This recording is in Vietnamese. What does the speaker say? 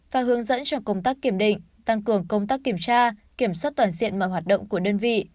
và hướng dẫn cho công tác kiểm định tăng cường công tác kiểm tra kiểm soát toàn diện mọi hoạt động của đơn vị